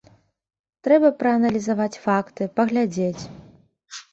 Трэба прааналізаваць факты, паглядзець.